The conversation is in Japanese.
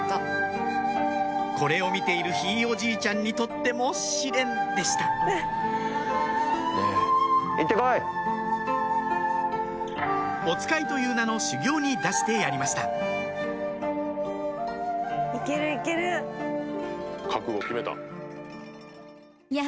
これを見ているひいおじいちゃんにとっても試練でした「おつかい」という名の修行に出してやりました覚悟を決めた！